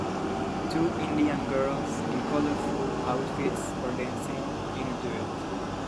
Two Indian Girls In Colorful Outfits Are Dancing, In a Duet.